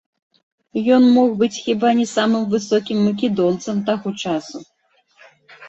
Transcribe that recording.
Ён мог быць хіба не самым высокім македонцам таго часу.